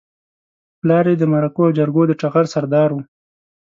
پلار يې د مرکو او جرګو د ټغر سردار و.